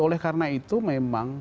oleh karena itu memang